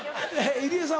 入江さん